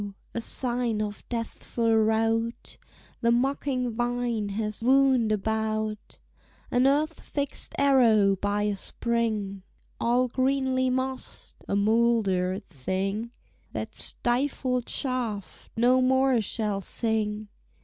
a sign of deathful rout The mocking vine has wound about, An earth fixed arrow by a spring, All greenly mossed, a mouldered thing; That stifled shaft no more shall sing!